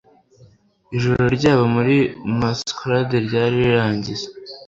ijoro ryabo muri masquerade ryari rirangiye